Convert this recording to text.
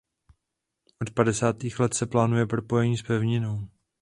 Od padesátých let se plánuje propojení s pevninou.